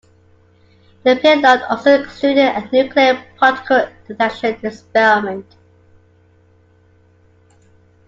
The payload also included a nuclear particle detection experiment.